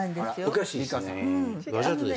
おかしいっすね。